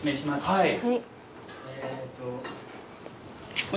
はい。